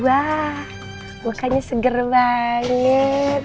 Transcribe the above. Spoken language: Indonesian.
wah mukanya segar banget